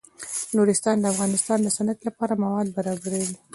نورستان د افغانستان د صنعت لپاره مواد برابروي.